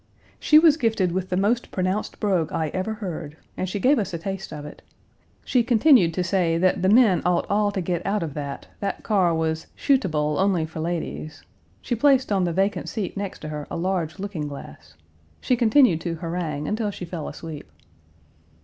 She was gifted with the most pronounced brogue I ever heard, and she gave us a taste of it. She continued to say that the men ought all to get out of that; that car was "shuteable" only for ladies. She placed on the vacant seat next to her a large looking glass. She continued to harangue until she fell asleep.